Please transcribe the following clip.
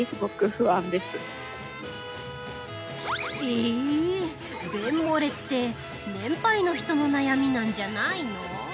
ええ、便もれって年配の人の悩みなんじゃないの？